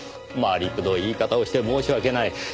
回りくどい言い方をして申し訳ない。